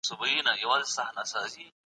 سرمایوي اجناس به په راتلونکي کي ډیر ارزښت ولري.